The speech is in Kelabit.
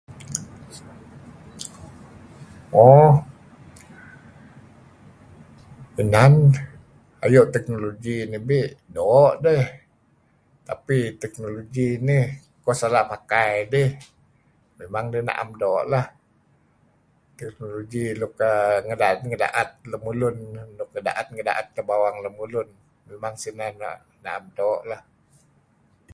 [oh..]Inan ayuh technology nih nabeh, do dah, tapi technology nih koh salah pakai idih memang dih naam do lah. Technology luk[aah] ngadaat, ngadaat lamulun, nuk ngadaat ngadaat bawang lemulun, memang sinah naam do lah.